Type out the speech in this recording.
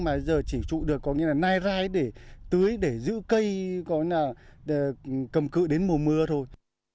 mà giờ chỉ trụ được có nghĩa là nai rai để tưới để giữ cây có nghĩa là cầm cự đến mùa mưa thôi